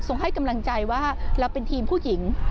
ให้กำลังใจว่าเราเป็นทีมผู้หญิง